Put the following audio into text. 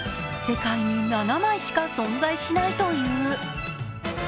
世界に７枚しか存在しないという。